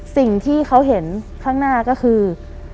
สิ่งที่เขาเห็นข้างหน้าก็คือ